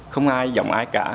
không ai giọng ai cả